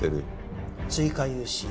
追加融資